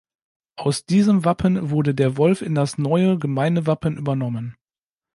Aus diesem Wappen wurde der Wolf in das neue Gemeindewappen übernommen.